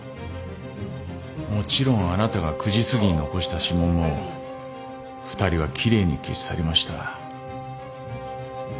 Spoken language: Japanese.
もちろんあなたが９時すぎに残した指紋も２人は奇麗に消し去りました。